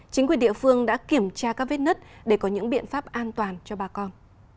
chính quyền địa phương đã kiểm tra các vết nứt để có những biện pháp an toàn cho bà con